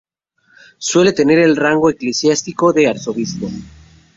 Suele tener el rango eclesiástico de arzobispo.